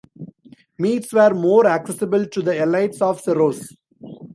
Meats were more accessible to the elites of Cerros.